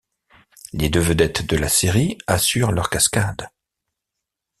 Les deux vedettes de la série assurent leurs cascades.